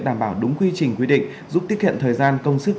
đảm bảo đúng quy trình quy định giúp tiết kiệm thời gian công sức